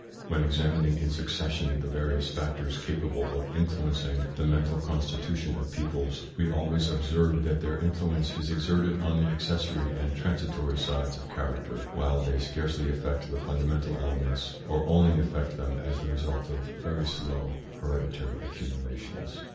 When examining in succession the various factors capable of influencing the mental constitution of peoples, we always observe that their influence is exerted on the accessory and transitory sides of character, while they scarcely affect the fundamental elements, or only affect them as the result of very slow hereditary accumulations.